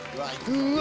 うわ！